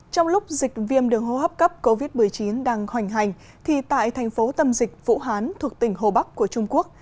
trong lúc dịch viêm đường hô hấp cấp covid một mươi chín đang hoành hành thì tại thành phố tâm dịch vũ hán thuộc tỉnh hồ bắc của trung quốc